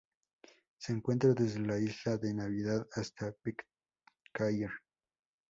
Se encuentra desde la isla de Navidad hasta Pitcairn.